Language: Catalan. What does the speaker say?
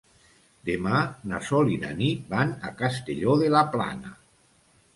Demà na Sol i na Nit van a Castelló de la Plana.